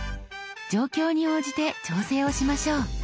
状況に応じて調整をしましょう。